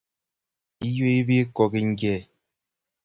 Iywei bik kokinykei